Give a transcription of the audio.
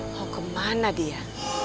mau kemana dia